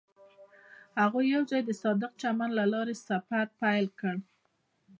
هغوی یوځای د صادق چمن له لارې سفر پیل کړ.